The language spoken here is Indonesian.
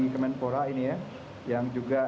kemenpora ini ya yang juga